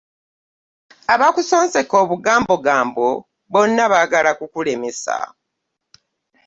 Abakusonseka obugambogambo bonna baagala kukulemesa.